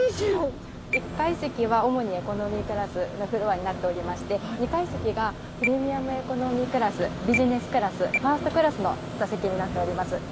１階席は主にエコノミークラスのフロアになっておりまして２階席がプレミアムエコノミークラスビジネスクラスファーストクラスの座席になっております。